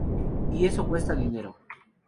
Y eso cuesta dinero.